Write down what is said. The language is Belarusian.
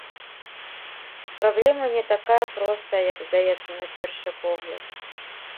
Праблема не такая простая, як здаецца на першы погляд.